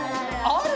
ある？